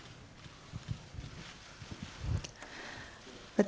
私